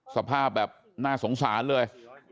สภาพแบบน่าสงสารเลย